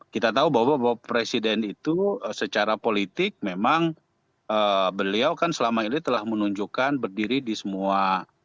kita tahu bahwa presiden itu secara politik memang beliau kan selama ini telah menunjukkan berdiri di semua